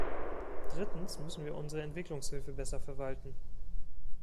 Drittens müssen wir unsere Entwicklungshilfe besser verwalten.